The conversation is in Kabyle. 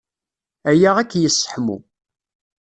Aya ad k-yesseḥmu.